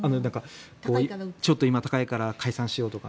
ちょっと今、高いから解散しようとか。